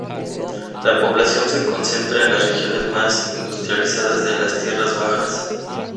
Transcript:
La población se concentra en las regiones más industrializadas de las tierras bajas.